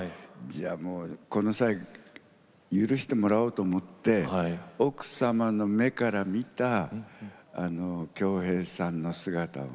もうこの際許してもらおうと思って奥様の目から見た京平さんの姿を書きたいなと思って。